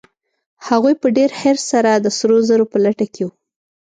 هغوی په ډېر حرص سره د سرو زرو په لټه کې وو.